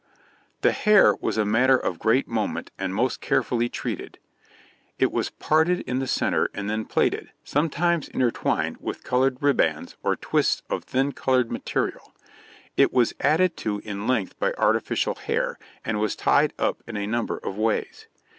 The hair was a matter of great moment and most carefully treated; it was parted in the centre and then plaited, sometimes intertwined with coloured ribbands or twists of thin coloured material; it was added to in length by artificial hair, and was tied up in a number of ways.